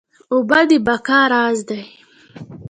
اوبه د بقا راز دي